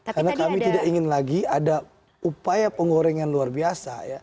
karena kami tidak ingin lagi ada upaya penggorengan luar biasa